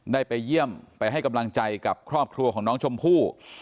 ได้ไปเยี่ยมไปให้กำลังใจกับครอบครัวของน้องชมพู่